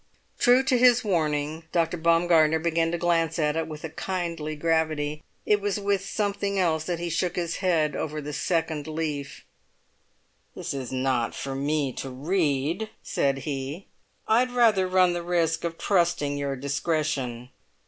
True to his warning, Dr. Baumgartner began to glance at it with a kindly gravity; it was with something else that he shook his head over the second leaf. "This is not for me to read!" said he. "I'd rather run the risk of trusting your discretion."